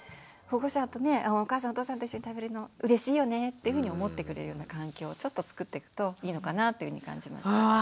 保護者とねお母さんお父さんと一緒に食べるの「うれしいよね」っていうふうに思ってくれるような環境をちょっとつくってくといいのかなというふうに感じました。